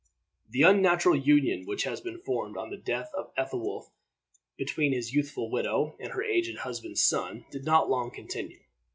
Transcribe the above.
The unnatural union which had been formed on the death of Ethelwolf between his youthful widow and her aged husband's son did not long continue.